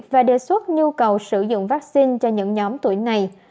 và đề xuất nhu cầu sử dụng vaccine cho những nhóm tuổi này